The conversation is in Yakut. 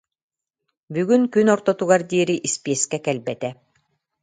Бүгүн күн ортотугар диэри испиэскэ кэлбэтэ